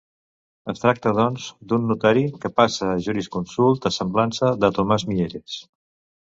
Es tracta, doncs, d'un notari que passa a jurisconsult, a semblança de Tomàs Mieres.